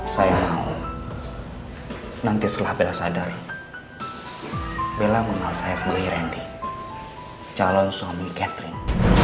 saya mau nanti setelah bella sadar bella mengalas saya sebagai randy calon suami catherine